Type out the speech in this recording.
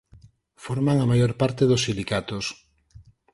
Forman a maior parte dos silicatos.